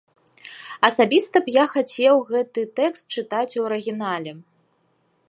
Асабіста я б хацеў гэты тэкст чытаць у арыгінале.